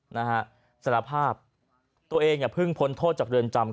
นะฮะสารภาพตัวเองเนี่ยเพิ่งพ้นโทษจากเรือนจำ